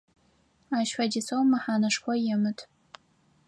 Ащ фэдизэу мэхьанэшхо емыт.